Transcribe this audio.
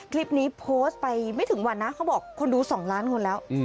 คลิปนี้โพสต์ไปไม่ถึงวันนะเขาบอกคนดู๒ล้านคนแล้ว